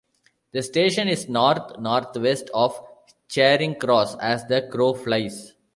The station is north-northwest of Charing Cross as the crow flies.